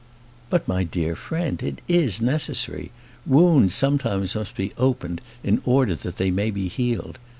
"But, my dear friend, it is necessary. Wounds sometimes must be opened in order that they may be healed.